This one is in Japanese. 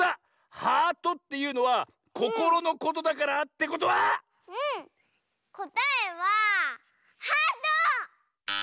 「ハート」っていうのはココロのことだからってことは⁉うんこたえは「ハート」！